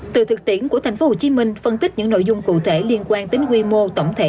từ thực tiễn của tp hcm phân tích những nội dung cụ thể liên quan đến quy mô tổng thể